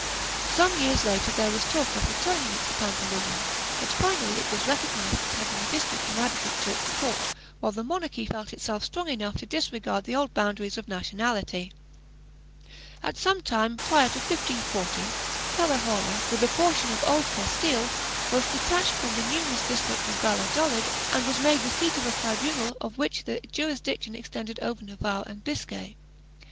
Some years later there was talk of returning it to Pampeluna, but finally it was recognized as having a district inadequate to its support, while the monarchy felt itself strong enough to disregard the old boundaries of nationality. At some time prior to 1540, Calahorra, with a portion of Old Castile, was detached from the enormous district of Valladolid and was made the seat of a tribunal of which the jurisdiction extended over Navarre arid Biscay.